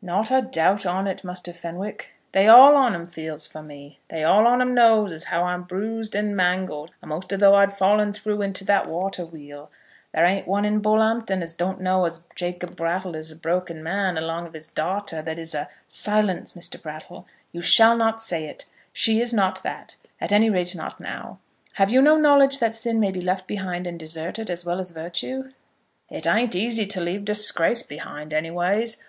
"Not a doubt on it, Muster Fenwick. They all on 'em feels for me. They all on 'em knows as how I'm bruised and mangled a'most as though I'd fallen through into that water wheel. There ain't one in all Bull'ompton as don't know as Jacob Brattle is a broken man along of his da'ter that is a " "Silence, Mr. Brattle. You shall not say it. She is not that; at any rate not now. Have you no knowledge that sin may be left behind and deserted as well as virtue?" "It ain't easy to leave disgrace behind, any ways.